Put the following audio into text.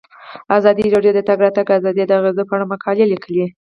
ازادي راډیو د د تګ راتګ ازادي د اغیزو په اړه مقالو لیکلي.